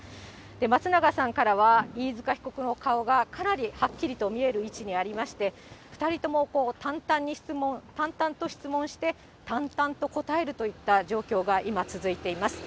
松永さんからは、飯塚被告の顔がかなりはっきりと見える位置にありまして、２人とも淡々と質問して、淡々と答えるといった状況が今、続いています。